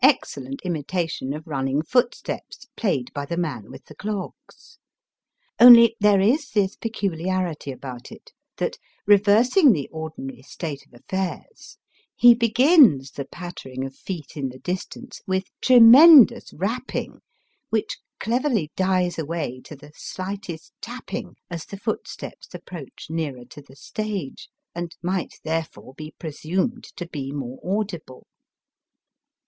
excellent imitation of running footsteps played by the man with the clogs; only there is this peculiarity about it, that, reversing the ordinary state of affairs, he begins the patter ing of feet in the distance with tremendous rapping, which cleverly dies away to the slightest tapping as the footsteps approach nearer to the stage, and might therefore be presumed to be more audible.